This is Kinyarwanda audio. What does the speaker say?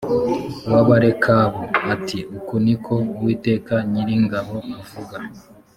w abarekabu ati uku ni ko uwiteka nyiringabo avuga